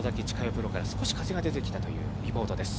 プロから、少し風が出てきたというリモートです。